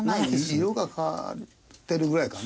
色が変わってるぐらいかね。